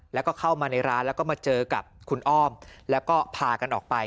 แล้วก็เข้ามาในร้านแล้วก็มาเจอกับคุณอ้อมแล้วก็พากันออกไป